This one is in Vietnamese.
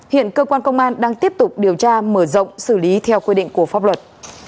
hiện cơ quan công an đang tiếp tục điều tra mở rộng xử lý theo quy định của pháp luật